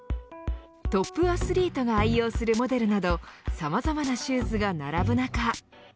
トップアスリートが愛用するモデルなどさまざまなシューズが並ぶ中